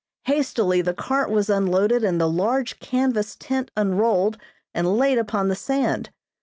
Hastily the cart was unloaded and the large canvas tent unrolled and laid upon the sand.